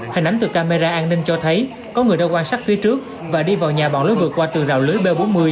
hình ảnh từ camera an ninh cho thấy có người đang quan sát phía trước và đi vào nhà bọn lối vượt qua tường rào lưới b bốn mươi